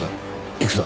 行くぞ。